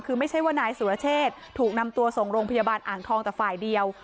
คือไม่ใช่ว่านายสุรเชษฐ์ถูกนำตัวส่งโรงพยาบาลอ่างทองแต่ฝ่ายเดียว